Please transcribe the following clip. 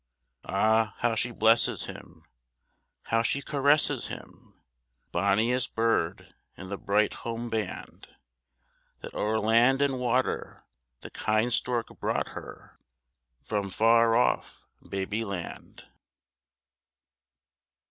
Ah, how she blesses him, how she caresses him, Bonniest bird in the bright home band That o'er land and water, the kind stork brought her From far off Babyland.